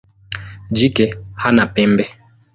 Jike hana pembe.